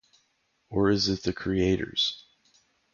Or is it the creators?